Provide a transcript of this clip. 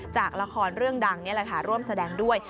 จากละครเรื่องดังนี่แหละค่ะร่วมแสดงด้วย